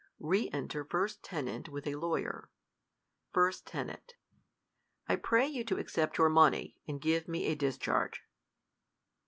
. Re enter first Tenant laith a Law'YER. \st. Ten. I pray you to accept your money, and give me a discharge.